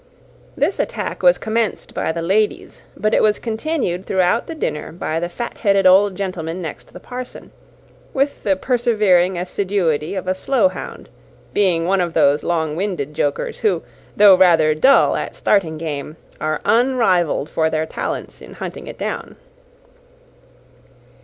This attack was commenced by the ladies; but it was continued throughout the dinner by the fat headed old gentleman next the parson, with the persevering assiduity of a slow hound; being one of those long winded jokers, who, though rather dull at starting game, are unrivalled for their talents in hunting it down.